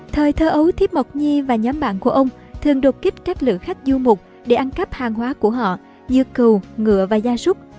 thời thơ ấu thiếp mộc nhi và nhóm bạn của ông thường đột kích các lượng khách du mục để ăn cắp hàng hóa của họ như cừu ngựa và gia súc